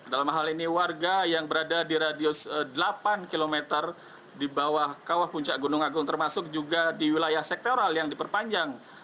dalam hal ini warga yang berada di radius delapan km di bawah kawah puncak gunung agung termasuk juga di wilayah sektoral yang diperpanjang